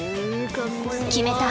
決めた。